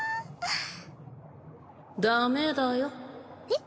ダメだよえっ？